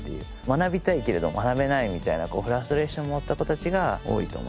学びたいけれど学べないみたいなフラストレーションを持った子たちが多いと思います。